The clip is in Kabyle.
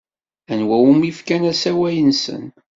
Anwa umi fkan asawal-nsen?